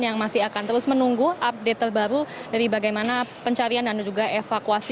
yang masih akan terus menunggu update terbaru dari bagaimana pencarian dan juga evakuasi